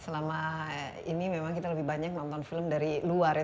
selama ini memang kita lebih banyak nonton film dari luar ya